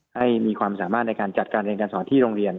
ให้มีความสามารถในการจัดการเรียนการสอนที่โรงเรียน